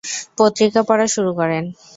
পত্রিকা পড়া শুরু করেন।